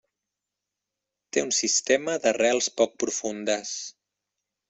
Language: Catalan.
Té un sistema d'arrels poc profundes.